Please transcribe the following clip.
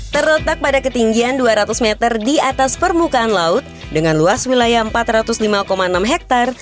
terletak pada ketinggian dua ratus meter di atas permukaan laut dengan luas wilayah empat ratus lima enam hektare